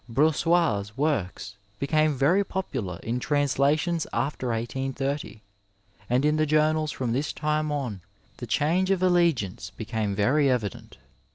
Brous sais' works became very popular in translations after 1830, and in the journals from this time on the change of alli ance became very evident.